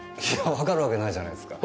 わかるわけないじゃないですか。